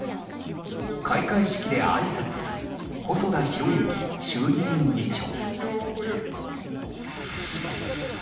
開会式であいさつする細田博之衆議院議長。